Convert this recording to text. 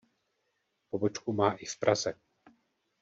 Pobočku má i v Praze.